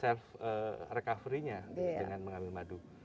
self recovery nya dengan mengambil madu